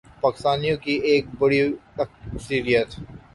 پاکستانیوں کی ایک بڑی اکثریت